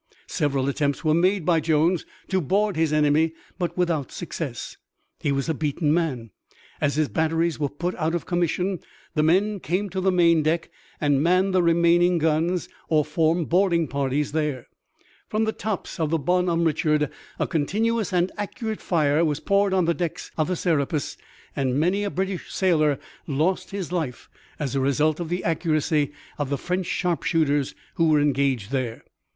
Several attempts were made by Jones to board his enemy but without success. He was a beaten man. As his batteries were put out of commission, the men came to the main deck and manned the remaining guns, or formed boarding parties there. From the tops of the Bonhomme Richard a continuous and accurate fire was poured on the decks of the Serapis and many a British sailor lost his life as a result of the accuracy of the French sharpshooters who were engaged there.